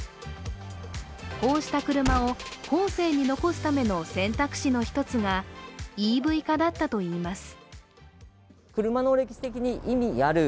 こうした車を後世に残すための選択肢の一つがＥＶ化だったといいます。